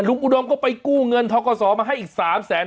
ลุงอุดมก็กู้เงินท็อกกัสซอร์มาให้อีก๓๕แสน